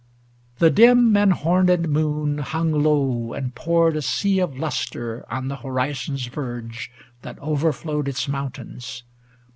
The dim and horned moon hung low, and poured A sea of lustre on the horizon's verge That overflowed its mountains.